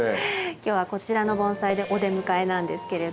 今日はこちらの盆栽でお出迎えなんですけれども。